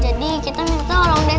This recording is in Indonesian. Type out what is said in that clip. jadi kita minta orang desa